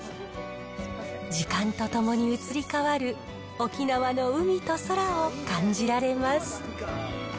時間とともに移り変わる、沖縄の海と空を感じられます。